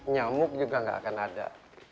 nyamuk juga nggak akan ada